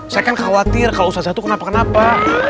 saya kan khawatir kalau ustazah itu kenapa kenapa